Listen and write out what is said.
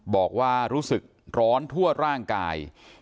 บอกว่ารู้สึกร้อนทั่วร่างกาย